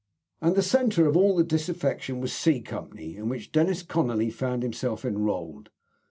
And the centre of all the disaffection was C Company, in which Dennis Conolly found himself enrolled.